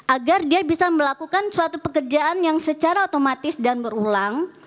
agar dia bisa melakukan suatu pekerjaan yang secara otomatis dan berulang